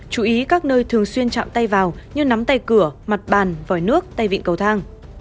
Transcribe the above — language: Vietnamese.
chú ý các nơi thường xuyên chạm tay vào như nắm tay cửa mặt bàn vòi nước tay vịn cầu thang